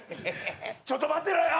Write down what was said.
ちょっと待ってろよ。